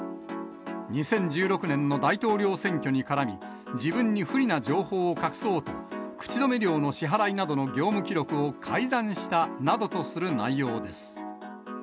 ２０１６年の大統領選挙に絡み、自分に不利な情報を隠そうと、口止め料の支払いなどの業務記録を改ざんしたなどとする内容です。